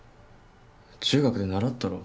中学で習ったろ。